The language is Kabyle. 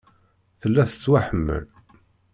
Tella tettwaḥemmel.